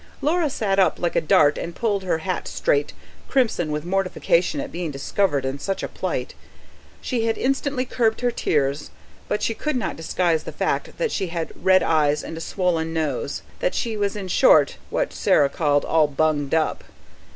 Laura sat up like a dart and pulled her hat straight, crimson with mortification at being discovered in such a plight. She had instantly curbed her tears, but she could not disguise the fact that she had red eyes and a swollen nose that she was in short what Sarah called "all bunged up".